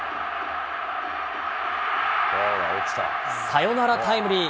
サヨナラタイムリー。